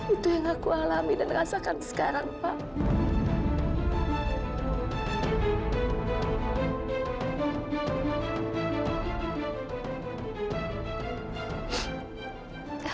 itu yang aku alami dan rasakan sekarang pak